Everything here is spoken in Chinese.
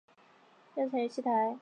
庙前有戏台。